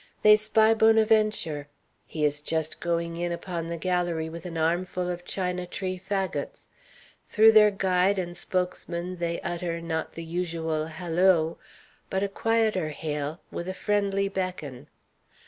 They spy Bonaventure. He is just going in upon the galérie with an armful of China tree fagots. Through their guide and spokesman they utter, not the usual halloo, but a quieter hail, with a friendly beckon.